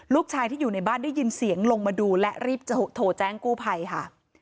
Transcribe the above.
ลูกชายที่อยู่ในบ้านได้ยินเสียงลงมาดูและรีบจะโทรแจ้งกู้ภัยค่ะ